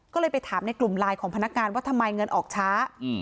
ก็เลยไปถามในกลุ่มไลน์ของพนักงานว่าทำไมเงินออกช้า